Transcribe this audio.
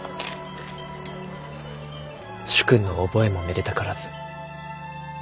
主君の覚えもめでたからず。